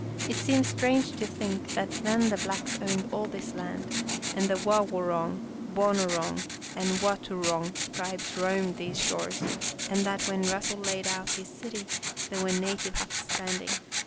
It seems strange to think that then the blacks owned all this land and the Wawoorong, Boo noorong, and Wautourong tribes roamed these shores, and that when Russell laid out his city there were native huts standing.